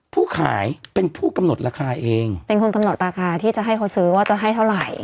ผู้ขายเป็นผู้กำหนดราคาเองเป็นคนกำหนดราคาที่จะให้เขาซื้อว่าจะให้เท่าไหร่